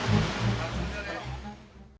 bagaimana cara mereka menangkap penyakit yang berbeda